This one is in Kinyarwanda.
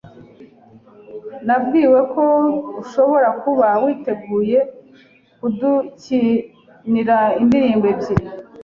Nabwiwe ko ushobora kuba witeguye kudukinira indirimbo ebyiri